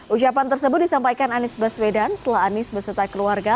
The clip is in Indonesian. ucapan tersebut disampaikan anies baswedan setelah anies beserta keluarga